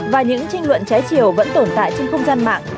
và những tranh luận trái chiều vẫn tồn tại trên không gian mạng